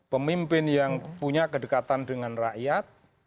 pemimpin yang punya kedekatan dengan rakyat